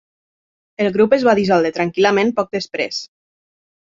El grup es va dissoldre tranquil·lament poc després.